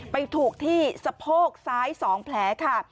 ไปถูกที่สะโพกซ้าย๒แผลค่ะ